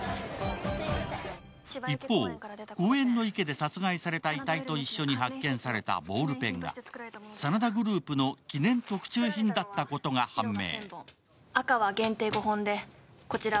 一方、公園の池で殺害された遺体と一緒に発見されたボールペンが真田グループの記念特注品だったことが判明。